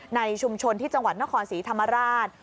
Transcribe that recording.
ในชุมชนที่จังหวัดนครศรีธรรมราช